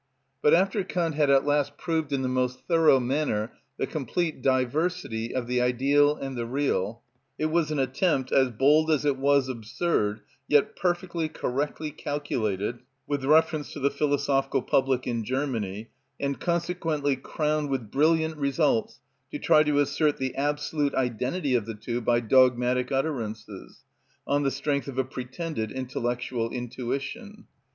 But after Kant had at last proved in the most thorough manner the complete diversity of the ideal and the real, it was an attempt, as bold as it was absurd, yet perfectly correctly calculated with reference to the philosophical public in Germany, and consequently crowned with brilliant results, to try to assert the absolute identity of the two by dogmatic utterances, on the strength of a pretended intellectual intuition.